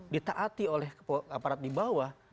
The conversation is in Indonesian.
ditaati oleh aparat dibawah